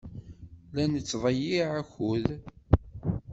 La nettḍeyyiɛ akud.